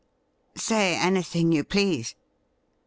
' Say anything you please.'